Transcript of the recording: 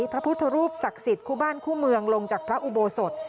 พระพุทธรูปศักดิ์สิทธิ์คู่บ้านคู่เมืองลงจากพระอุโบสถ